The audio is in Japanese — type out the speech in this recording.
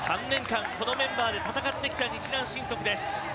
３年間このメンバーで戦ってきた日南振徳です。